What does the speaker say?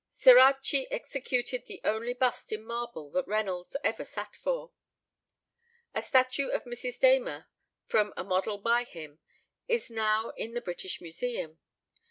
Ceracchi executed the only bust in marble that Reynolds ever sat for. A statue of Mrs. Damer, from a model by him, is now in the British Museum.